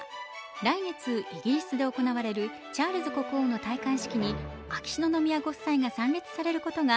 来月、イギリスで行われるチャールズ国王の戴冠式で秋篠宮ご夫妻が参列されることが